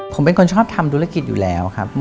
ผมเป็นคนชอบทำธุรกิจอยู่แล้วครับ